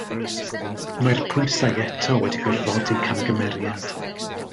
Mae'r pwysau eto wedi gorfodi camgymeriad.